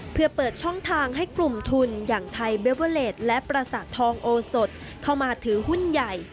เพื่อเปิดช่องทางให้กลุ่มทุนอย่างไทยเบเวอร์เลสและประสาททองโอสดเข้ามาถือหุ้นใหญ่